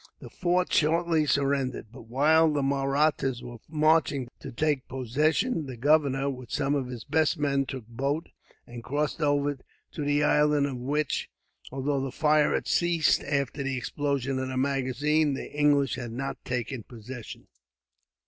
The fort shortly surrendered; but while the Mahrattas were marching to take possession, the governor, with some of his best men, took boat and crossed over to the island; of which, although the fire had ceased after the explosion of the magazine, the English had not taken possession.